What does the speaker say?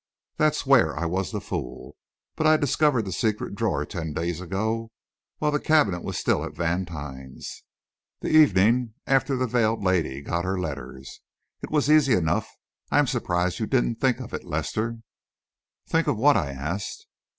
There's where I was a fool. But I discovered the secret drawer ten days ago while the cabinet was still at Vantine's the evening after the veiled lady got her letters. It was easy enough. I am surprised you didn't think of it, Lester." "Think of what?" I asked.